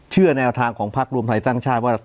แนวทางของพักรวมไทยสร้างชาติว่า